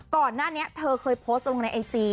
ก่อนหน้านี้เธอเคยโพสต์ลงในไอจี